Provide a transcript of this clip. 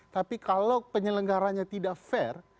tapi kalau penyelenggaranya tidak fair